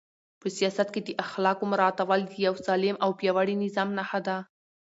په سیاست کې د اخلاقو مراعاتول د یو سالم او پیاوړي نظام نښه ده.